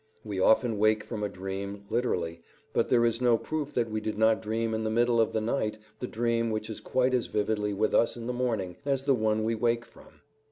We often wake from a dream, literally, but there is no proof that we did not dream in the middle of the night the dream which is quite as vividly with us in the morning as the one we wake from.